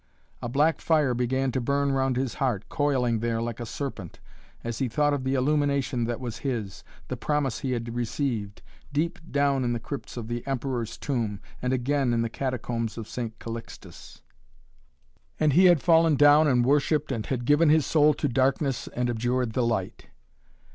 A black fire began to burn round his heart, coiling there like a serpent, as he thought of the illumination that was his, the promise he had received deep down in the crypts of the Emperor's Tomb and again in the Catacombs of St. Calixtus. And he had fallen down and worshipped, had given his soul to Darkness and abjured the Light.